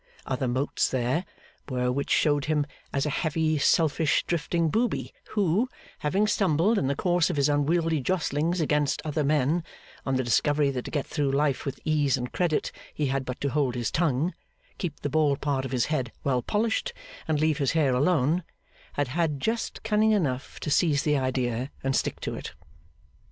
Other motes there were which showed him as a heavy, selfish, drifting Booby, who, having stumbled, in the course of his unwieldy jostlings against other men, on the discovery that to get through life with ease and credit, he had but to hold his tongue, keep the bald part of his head well polished, and leave his hair alone, had had just cunning enough to seize the idea and stick to it.